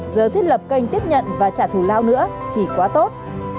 giờ thiết lập kênh tiếp nhận và trả thù lao nữa thì quá tốt